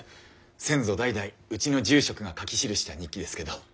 先祖代々うちの住職が書き記した日記ですけど。